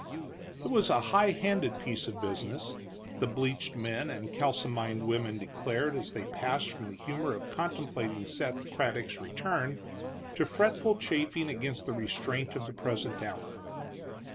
It was a high handed piece of business, the bleached men and kalsomined women declared, as they passed from the humor of contemplating Seth Craddock's return to fretful chafing against the restraint of the present hour.